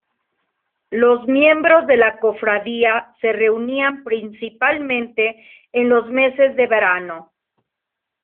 Los miembros de la cofradía se reunían principalmente en los meses de verano.